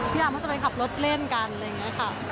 พี่อามก็จะไปขับรถเล่นกันครับ